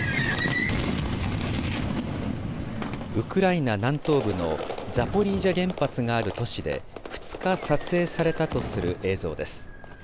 ウクライナ南東部のザポリージャ原発がある都市で、２日、撮影されたとする映像です。